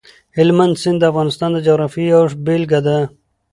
هلمند سیند د افغانستان د جغرافیې یوه بېلګه ده.